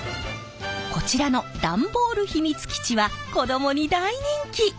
こちらの段ボール秘密基地は子どもに大人気！